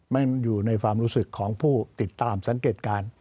อยู่ในความรู้สึกของผู้ติดตามสังเกตการณ์